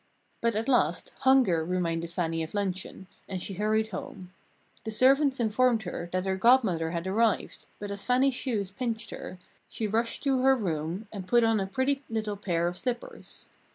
But at last hunger reminded Fannie of luncheon, and she hurried home. The servants informed her that her Godmother had arrived, but as Fannie's shoes pinched her, she rushed to her room and put on a pretty little pair of slippers.